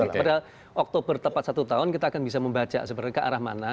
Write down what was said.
pada oktober tepat satu tahun kita akan bisa membaca sebenarnya ke arah mana